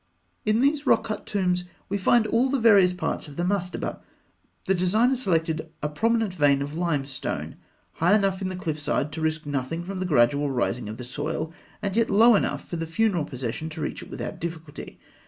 In these rock cut tombs we find all the various parts of the mastaba. The designer selected a prominent vein of limestone, high enough in the cliff side to risk nothing from the gradual rising of the soil, and yet low enough for the funeral procession to reach it without difficulty.